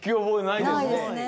ないですね。